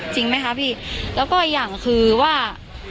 จริงไหมคะพี่แล้วก็อย่างคือว่า